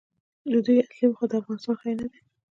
د دوی اصلي موخه د افغانستان خیر نه دی.